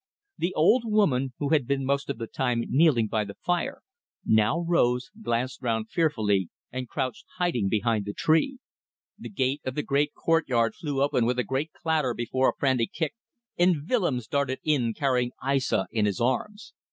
The old woman, who had been most of the time kneeling by the fire, now rose, glanced round fearfully and crouched hiding behind the tree. The gate of the great courtyard flew open with a great clatter before a frantic kick, and Willems darted in carrying Aissa in his arms.